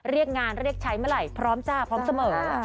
เรียกงานเรียกใช้เมื่อไหร่พร้อมจ้าพร้อมเสมอ